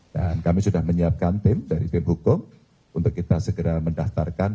dan kami sudah menyiapkan tim dari tim hukum untuk kita segera mendaftarkan